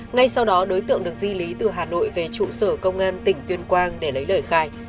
ngay sau đó đối tượng được di lý từ hà nội về trụ sở công an tỉnh tuyên quang để lấy lời khai